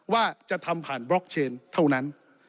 ว่าจะทำผ่านบล็อกเชนเท่านั้น